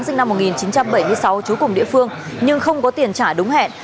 sinh năm một nghìn chín trăm bảy mươi sáu trú cùng địa phương nhưng không có tiền trả đúng hẹn